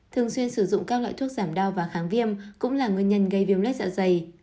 thường xuyên sử dụng các loại thuốc giảm đau và kháng viêm cũng là nguyên nhân gây viêm lết dạ dày